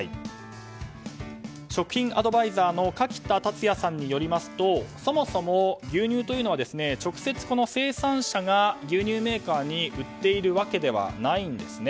食品アドバイザーの垣田達哉さんによりますとそもそも牛乳というのは直接、生産者が牛乳メーカーに売っているわけではないんですね。